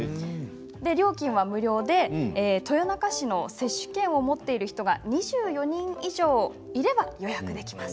料金は無料で豊中市の接種券を持っている人が２４人以上いれば予約ができます。